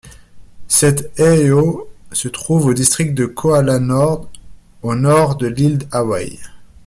Cet heiau se trouve au district de Kohala Nord, au nord de l'île d’Hawaii.